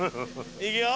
いくよ？